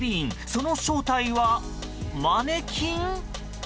その正体は、マネキン？